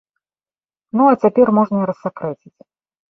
Ну а цяпер можна і рассакрэціць.